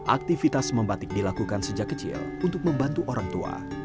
aktivitas membatik dilakukan sejak kecil untuk membantu orang tua